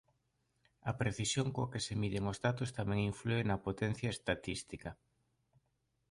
A precisión coa que se miden os datos tamén inflúe na potencia estatística.